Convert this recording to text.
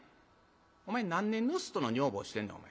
「お前何年盗人の女房してんねんお前。